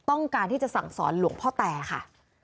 ต้องการที่จะสั่งสอนหลวงพ่อแตค่ะ